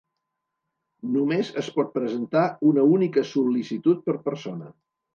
Només es pot presentar una única sol·licitud per persona.